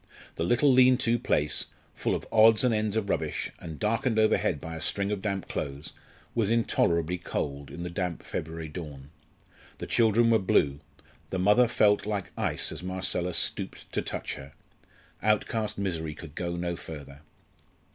The little lean to place, full of odds and ends of rubbish, and darkened overhead by a string of damp clothes was intolerably cold in the damp February dawn. The children were blue; the mother felt like ice as Marcella stooped to touch her. Outcast misery could go no further.